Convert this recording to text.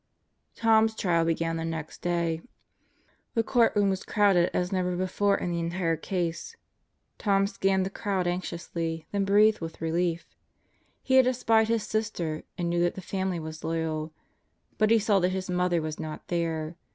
Tom's trial began the next day. The courtroom was crowded as never before in the entire case. Tom scanned the crowd anxiously; then breathed with relief. He had espied his sister and knew that the family was loyal; but he saw that his mother was not there.